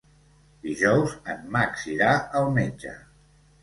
Dijous en Max irà al metge.